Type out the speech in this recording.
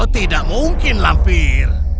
tidak mungkin lampir